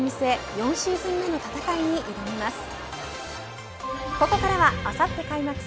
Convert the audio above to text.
４シーズン目の戦いに挑みます。